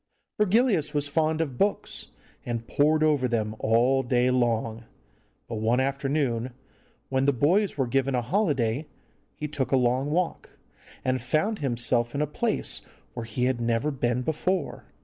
Virgilius was fond of books, and pored over them all day long. But one afternoon, when the boys were given a holiday, he took a long walk, and found himself in a place where he had never been before.